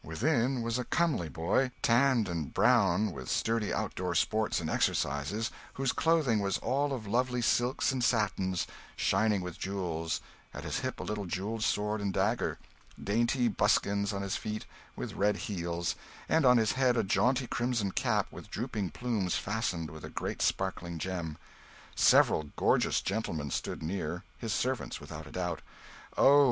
Within was a comely boy, tanned and brown with sturdy outdoor sports and exercises, whose clothing was all of lovely silks and satins, shining with jewels; at his hip a little jewelled sword and dagger; dainty buskins on his feet, with red heels; and on his head a jaunty crimson cap, with drooping plumes fastened with a great sparkling gem. Several gorgeous gentlemen stood near his servants, without a doubt. Oh!